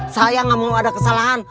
saya nggak mau ada kesalahan